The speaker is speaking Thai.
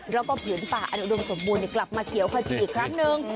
แล้วก็ผืนป่าอนุดมสมบูรณ์กลับมาเขียวขจีอีกครั้งนึง